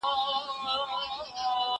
زه اوږده وخت مکتب ته ځم؟